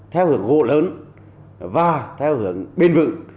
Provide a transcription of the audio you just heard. theo hướng gỗ lớn và theo hướng bền vững